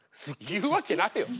言うわけないよ。